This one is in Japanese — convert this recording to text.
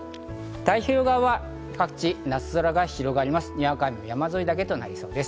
太平洋側は各地夏空が広がります。